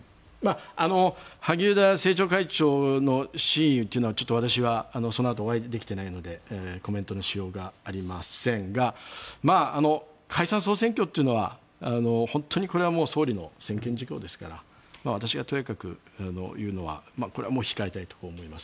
萩生田政調会長の真意というのはちょっと私はそのあとお会いできていないのでコメントのしようがありませんが解散・総選挙というのは本当に総理の専権事項ですから私がとやかく言うのはこれは控えたいと思います。